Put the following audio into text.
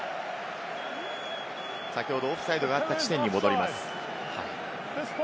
先ほどオフサイドがあった地点に戻ります。